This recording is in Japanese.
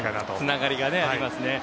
つながりがありますね。